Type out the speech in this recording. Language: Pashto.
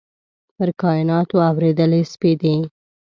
پر کایناتو اوريدلي سپیدې